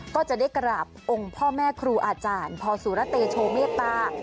ก็จะได้กราบองค์พ่อแม่ครูอาจารย์พอสุรเตโชเมตตา